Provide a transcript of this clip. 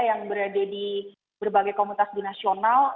yang berada di berbagai komunitas binasional